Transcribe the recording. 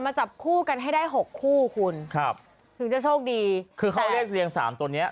จับคู่กันให้ได้หกคู่คุณครับถึงจะโชคดีคือเขาเอาเลขเรียงสามตัวเนี้ย